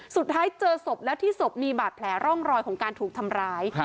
สุดท้ายเจอศพแล้วที่ศพมีบาดแผลร่องรอยของการถูกทำร้าย